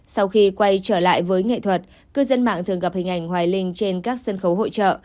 sau khi quay trở lại với nghệ thuật cư dân mạng thường gặp hình ảnh hoài linh trên các sân khấu hội trợ